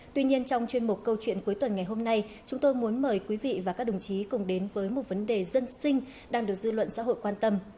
tuy nhiên trong chuyên mục câu chuyện cuối tuần ngày hôm nay chúng tôi muốn mời quý vị và các đồng chí cùng đến với một vấn đề dân sinh đang được dư luận xã hội quan tâm